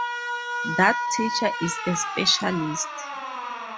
That teacher is a specialist